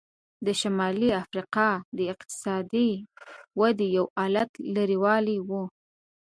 د شمالي امریکا د اقتصادي ودې یو علت لرې والی و.